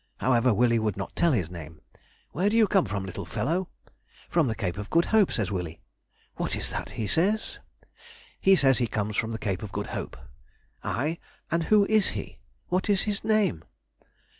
However, Willie would not tell his name. 'Where do you come from, little fellow?' 'From the Cape of Good Hope,' says Willie. 'What is that he says?' 'He says he comes from the Cape of Good Hope.' 'Ay? and who is he? What is his name?